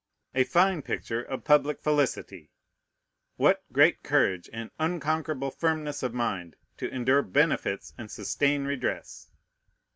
A fine picture of public felicity! What! great courage and unconquerable firmness of mind to endure benefits and sustain redress?